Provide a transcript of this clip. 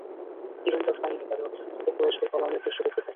তীরন্দাজ বাহিনী তাদের অবস্থান থেকে কুরাইশদের পলায়নের দৃশ্য দেখতে থাকেন।